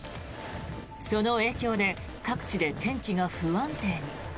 その影響で各地で天気が不安定に。